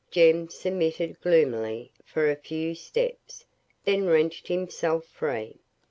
Jem submitted gloomily, for a few steps, then wrenched himself free.